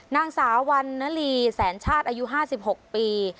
นางสาววันนลีแสนชาติอายุ๕๖ปี